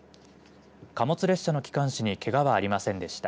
貨物列車の機関士にけがはありませんでした。